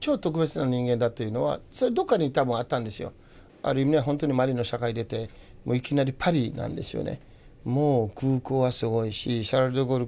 ある意味ではほんとにマリの社会出ていきなりパリなんですよね。